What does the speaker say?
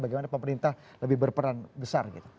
bagaimana pemerintah lebih berperan besar gitu